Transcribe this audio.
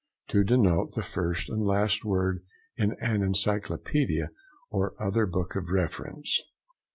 To denote the first and last word in an encyclopædia or other book of reference.